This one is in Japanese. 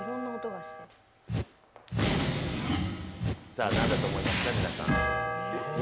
さあ、なんだと思いますか？